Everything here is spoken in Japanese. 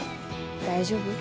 大丈夫？